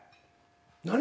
何？